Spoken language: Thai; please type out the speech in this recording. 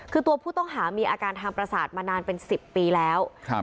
คือตัวผู้ต้องหามีอาการทางประสาทมานานเป็น๑๐ปีแล้วครับ